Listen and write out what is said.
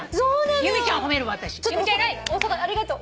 ありがとう。